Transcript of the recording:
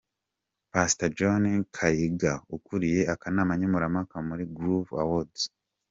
Pastor John Kaiga ukuriye akanama nkemurampaka muri Groove Awards Rwanda.